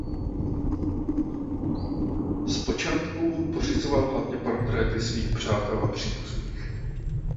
Zpočátku pořizoval hlavně portréty svých přátel a příbuzných.